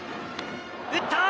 打った！